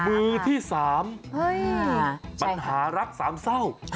มือที่๓ปัญหารักสามเศร้า